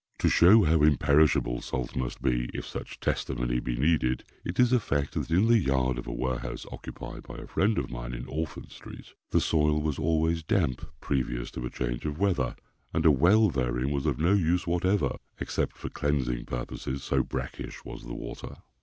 To show how imperishable salt must be, if such testimony be needed, it is a fact that, in the yard of a warehouse occupied by a friend of mine in Orford street, the soil was always damp previous to a change of weather, and a well therein was of no use whatever, except for cleansing purposes, so brackish was the water.